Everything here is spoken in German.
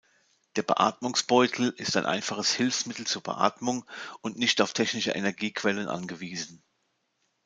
Der Beatmungsbeutel ist ein einfaches Hilfsmittel zur Beatmung und nicht auf technische Energiequellen angewiesen.